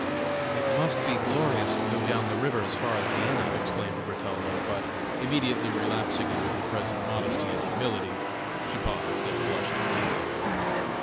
"It must be glorious to go down the river as far as Vienna!" exclaimed Bertalda, but immediately relapsing into her present modesty and humility, she paused and blushed deeply.